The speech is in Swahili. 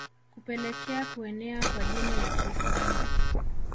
Kupelekea kuenea kwa Dini ya Kiislamu